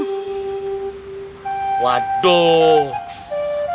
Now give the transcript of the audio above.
tidak ada yang ngomong